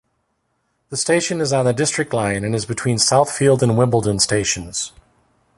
The station is on the District line and is between Southfields and Wimbledon stations.